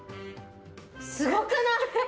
すごくない？